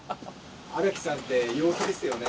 荒木さんって陽気ですよね。